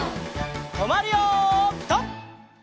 とまるよピタ！